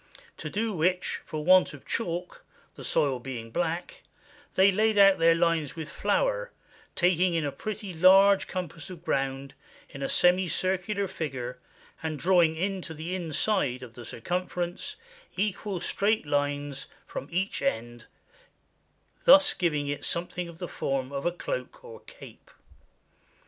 To do which, for want of chalk, the soil being black, they laid out their hues with flour, taking in a pretty large compass of ground in a semicircular figure, and drawing into the inside of the circumference equal straight lines from 203 EGYPT each end, thus giving it something of the form of a cloak or cape.